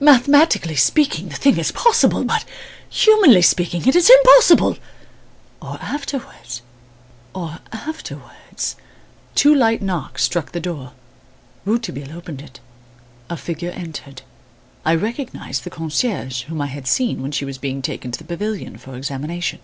Mathematically speaking the thing is possible; but humanly speaking it is impossible or afterwards or afterwards " Two light knocks struck the door. Rouletabille opened it. A figure entered. I recognised the concierge, whom I had seen when she was being taken to the pavilion for examination.